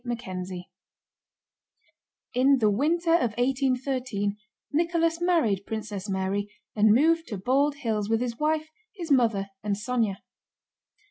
CHAPTER VII In the winter of 1813 Nicholas married Princess Mary and moved to Bald Hills with his wife, his mother, and Sónya.